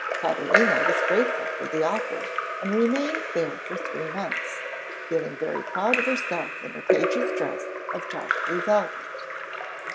Catalina was grateful for the offer and remained there for three months, feeling very proud of herself in her page's dress of dark blue velvet.